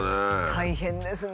大変ですね。